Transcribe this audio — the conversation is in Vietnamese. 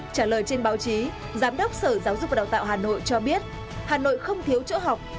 trả lời trên báo chí giám đốc sở giáo dục và đào tạo hà nội cho biết hà nội không thiếu chỗ học